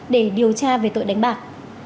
để điều tra về tội đánh bạc